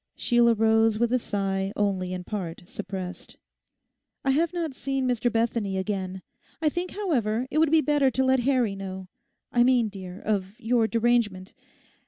Sheila rose with a sigh only in part suppressed. 'I have not seen Mr Bethany again. I think, however, it would be better to let Harry know; I mean, dear, of your derangement.